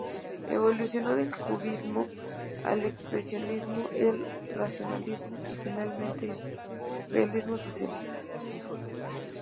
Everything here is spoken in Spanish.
Evolucionó del cubismo al expresionismo, el racionalismo y, finalmente, el realismo socialista.